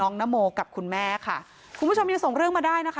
นโมกับคุณแม่ค่ะคุณผู้ชมยังส่งเรื่องมาได้นะคะ